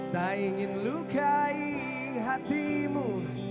tak ingin lukai hatimu